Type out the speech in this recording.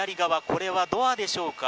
これはドアでしょうか。